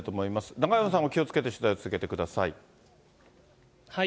中山さんも気をつけて取材を続けてください。